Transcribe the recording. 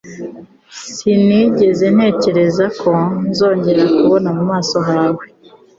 Sinigeze ntekereza ko nzongera kubona mu maso hawe.